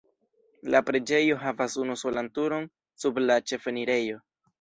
La preĝejo havas unusolan turon sub la ĉefenirejo.